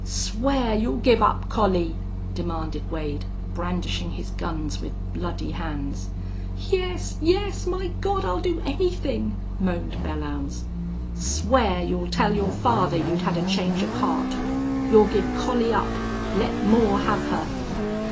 "Swear you'll give up Collie!" demanded Wade, brandishing his guns with bloody hands. "Yes yes! My God, I'll do anything!" moaned Belllounds. "Swear you'll tell your father you'd had a change of heart. You'll give Collie up!... Let Moore have her!"